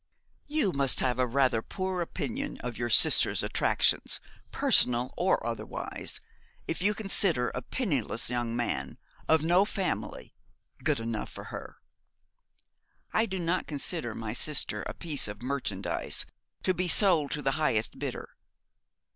'You must have rather a poor opinion, of your sister's attractions, personal or otherwise, if you consider a penniless young man of no family good enough for her.' 'I do not consider my sister a piece of merchandise to be sold to the highest bidder.